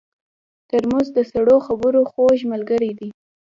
ترموز د سړو خبرو خوږ ملګری دی.